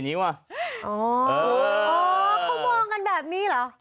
นี่ว่ะอ๋ออ๋อ่อเขามองกันแบบนี้หรอ